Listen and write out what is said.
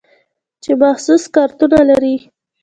چې مخصوص کارتونه لري.